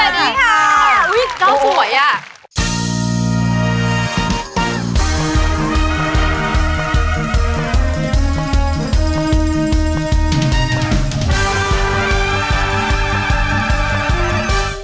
สวัสดีค่ะ